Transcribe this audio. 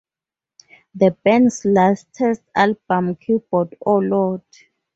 The band's latest album Keyboard, Oh Lord!